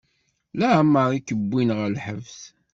Leɛmeṛ i k-wwin ɣer lḥebs?